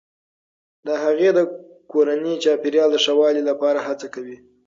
هغه د کورني چاپیریال د ښه والي لپاره هڅه کوي.